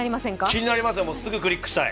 気になりますね、すぐクリックしたい。